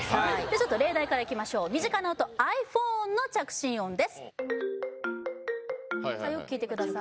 ちょっと例題からいきましょう身近な音ｉＰｈｏｎｅの着信音ですよく聞いてください